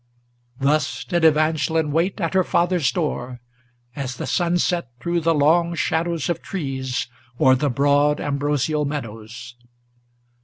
Thus did Evangeline wait at her father's door, as the sunset Threw the long shadows of trees o'er the broad ambrosial meadows.